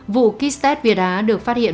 vụ kistet việt á được phát hiện